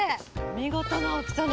見事な大きさね。